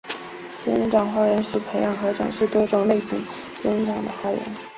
仙人掌花园是培养和展示多种类型仙人掌的花园。